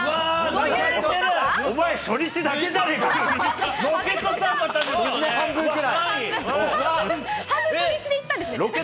お前初日だけじゃねえか。